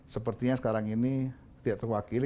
sepertinya sekarang ini tidak terwakili